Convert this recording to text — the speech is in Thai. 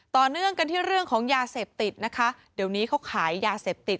ต่อเนื่องกันที่เรื่องของยาเสพติดนะคะเดี๋ยวนี้เขาขายยาเสพติด